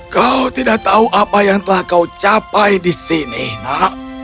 kau tidak tahu apa yang telah kau capai di sini nak